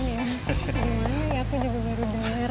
gimana ya aku juga baru dengar